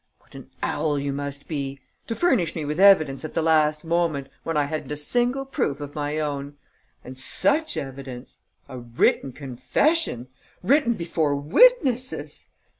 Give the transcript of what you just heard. What an owl you must be! To furnish me with evidence at the last moment, when I hadn't a single proof of my own! And such evidence! A written confession! Written before witnesses!...